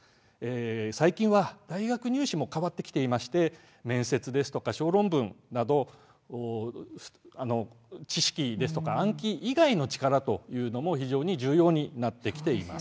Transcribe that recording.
最近は大学入試も変わってきていていて面接や小論文などの知識ですとか暗記以外の力をも非常に重要になってきています。